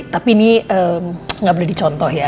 tapi ini nggak boleh dicontoh ya